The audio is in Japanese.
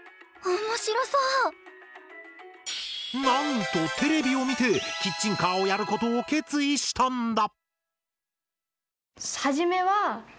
なんとテレビを見てキッチンカーをやることを決意したんだ！